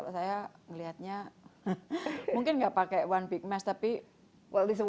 kalau saya melihatnya mungkin tidak pakai masalah besar tapi